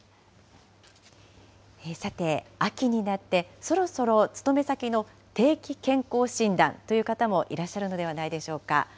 さて、秋になって、そろそろ勤め先の定期健康診断という方もいらっしゃるのではないでしょうか。